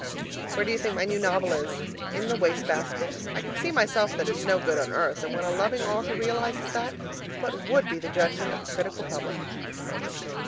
Where do you think my new novel is? In the waste basket. I can see myself that it's no good on earth, and when a loving author realizes that, what WOULD be the judgment of a critical public?